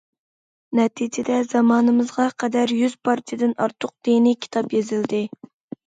نەتىجىدە، زامانىمىزغا قەدەر يۈز پارچىدىن ئارتۇق دىنىي كىتاب يېزىلدى.